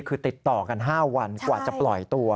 คือติดต่อกัน๕วันกว่าจะปล่อยตัว